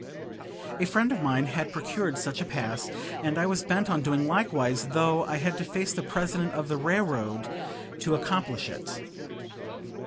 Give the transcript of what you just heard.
A friend of mine had procured such a pass, and I was bent on doing likewise, though I had to face the president of the railroad to accomplish it.